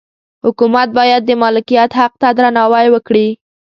حکومت باید د مالکیت حق ته درناوی وکړي.